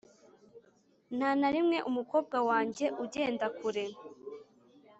nta na rimwe, umukobwa wanjye ugenda kure